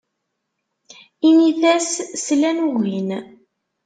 Init-as slan, ugin.